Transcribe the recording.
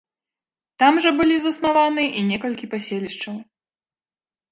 Там жа былі заснаваныя і некалькі паселішчаў.